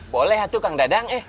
boleh atuh kang dadang